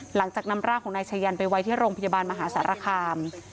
หลังจากนำร่างของนายชายันไปไว้ที่โรงพยาบาลมหาสารคาม